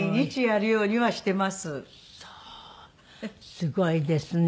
すごいですね。